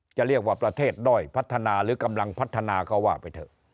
จะเรียกว่าประเทศด้อยพัฒนาหรือกำลังพัฒนาก็ว่าไปเถอะ